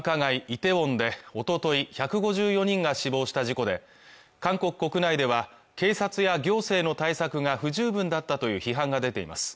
イテウォンでおととい１５４人が死亡した事故で韓国国内では警察や行政の対策が不十分だったという批判が出ています